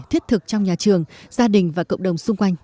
thiết thực trong nhà trường gia đình và cộng đồng xung quanh